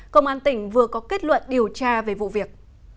công an tỉnh vừa có kết luận điều tra về vụ việc